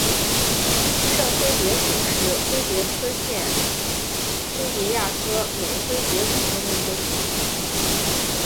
圣灰蝶属是灰蝶科线灰蝶亚科美灰蝶族中的一个属。